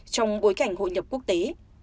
trong bối cảnh hội nhập quốc tế